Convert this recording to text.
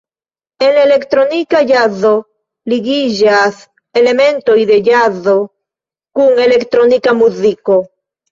En elektronika ĵazo ligiĝas elementoj de ĵazo kun elektronika muziko.